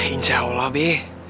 insya allah be